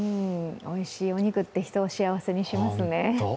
おいしいお肉って、人を幸せにしますね。